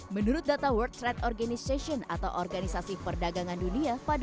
menurut data world trade organization atau organisasi perdagangan dunia pada dua ribu dua puluh